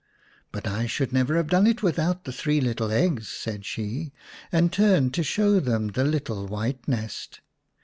" But I should never have done it without the three little eggs," said she, and turned to show them the little white nest.